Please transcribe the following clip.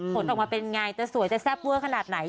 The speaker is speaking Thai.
ขนออกมาเป็นไงแต่สวยแต่แซ่บเวื้อขนาดไหน